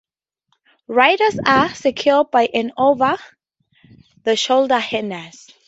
Riders are secured by an over-the-shoulder harness.